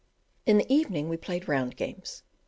In the evening we played round games.